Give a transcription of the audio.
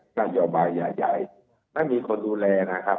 นโยบายใหญ่ไม่มีคนดูแลนะครับ